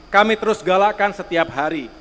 kami terus galakan setiap hari